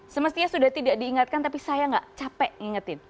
semestinya sudah tidak diingatkan tapi saya enggak capek mengingatkan